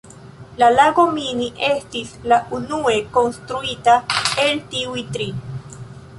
La lago Mini estis la unue konstruita el tiuj tri.